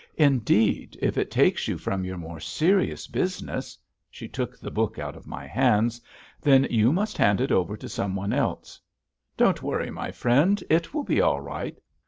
"Indeed, if it takes you from your more serious business" she took the book out of my hands "then you must hand it over to some one else. Don't worry, my friend. It will be all right."